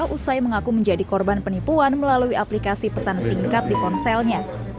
usai mengaku menjadi korban penipuan melalui aplikasi pesan singkat di ponselnya